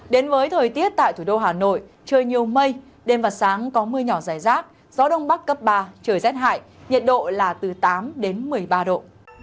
đến với thời tiết tại thủ đô hà nội trời nhiều mây đêm và sáng có mưa nhỏ dài rác gió đông bắc cấp ba trời rét hại nhiệt độ là từ tám đến một mươi ba độ